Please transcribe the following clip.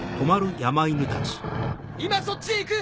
今そっちへ行く！